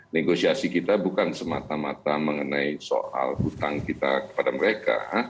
negosiasi kita bukan semata mata mengenai soal hutang kita kepada mereka